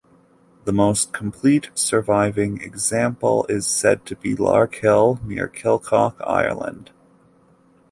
The most complete surviving example is said to be Larchill near Kilcock, Ireland.